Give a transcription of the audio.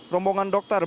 memang sudah tiba